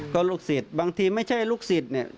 ก็ลูกศิษย์บางทีไม่ใช่ลูกศิษย์เนี่ย